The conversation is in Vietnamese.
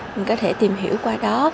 mình có thể tìm hiểu qua đó